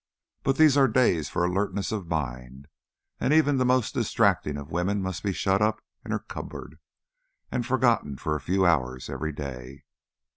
But these are days for alertness of mind, and even the most distracting of women must be shut up in her cupboard and forgotten for a few hours every day."